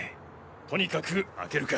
とにかく開けるか。